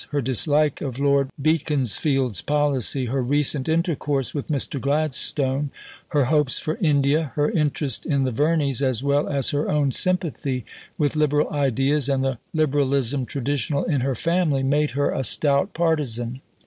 Her dislike of Lord Beaconsfield's policy, her recent intercourse with Mr. Gladstone, her hopes for India, her interest in the Verneys, as well as her own sympathy with liberal ideas and the Liberalism traditional in her family, made her a stout partisan.